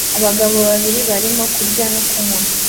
Abagabo babiri barimo kurya no kunywa